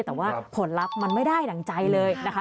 แต่ว่าผลลัพธ์มันไม่ได้ดั่งใจเลยนะคะ